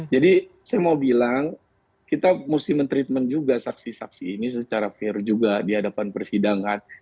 jadi saya mau bilang kita mesti men treatment juga saksi saksi ini secara fair juga di hadapan persidangan